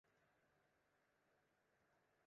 Nei de simmerfakânsje hat it hast alle dagen reind.